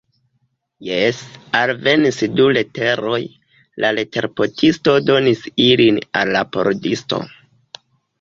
Jes, alvenis du leteroj, la leterportisto donis ilin al la pordisto.